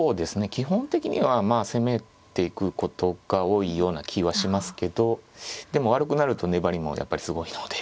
基本的には攻めていくことが多いような気はしますけどでも悪くなると粘りもやっぱりすごいので。